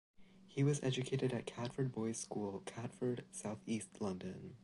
He was educated at Catford Boys' School, Catford, South East London.